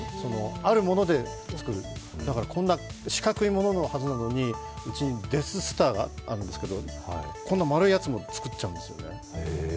あるものでつくる、だからこんな四角い者のはずなのにデススターがあるんですけれどもこんな丸いやつも作っちゃうんですよね。